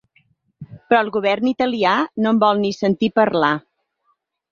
Però el govern italià no en vol ni sentir parlar.